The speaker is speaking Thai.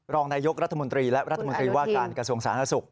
รองนายกรัฐมนตรีและรัฐมนตรีว่าการกระทรวงสาธารณสุข